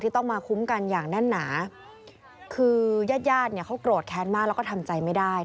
ต้องมาคุ้มกันอย่างแน่นหนาคือญาติญาติเนี่ยเขาโกรธแค้นมากแล้วก็ทำใจไม่ได้